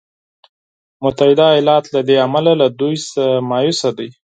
متحده ایالات له دې امله له دوی څخه مایوس دی.